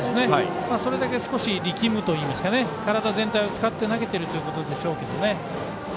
それだけ力むといいますか体全体を使って投げてるということでしょうけど。